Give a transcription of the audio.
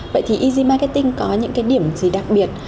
vậy thì easy marketing có những cái điểm gì đặc biệt